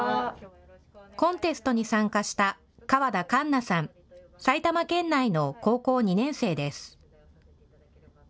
コンテストに参加した川田侃央さん、埼玉県内の高校２年生です。